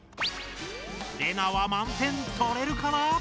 レナは満点とれるかな？